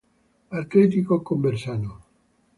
Atletico Conversano".